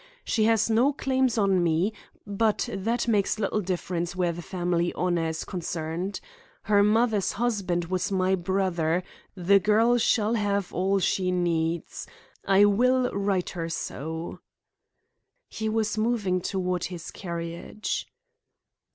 She has no claims on me, but that makes little difference where the family honor is concerned. Her mother's husband was my brother—the girl shall have all she needs. I will write her so." He was moving toward his carriage.